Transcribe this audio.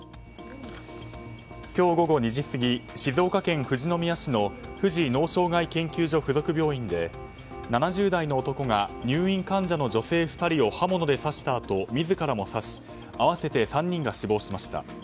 今日午後２時過ぎ静岡県富士宮市の富士脳障害研究所属附属病院で７０代の男が入院患者の女性２人を刃物で刺したあと自らも刺し合わせて３人が死亡しました。